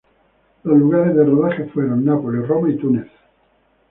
Los lugares de rodaje fueron Nápoles, Roma y Túnez.